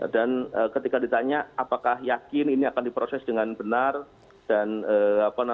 dan ketika ditanya apakah yakin ini akan diproses dengan benar dan berkeadilan